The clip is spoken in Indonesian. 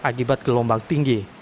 akibat gelombang tinggi